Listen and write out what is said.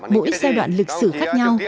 mỗi giai đoạn lịch sử khác nhau